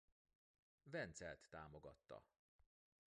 Vencelt támogatta.